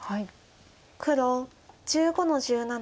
黒１５の十七。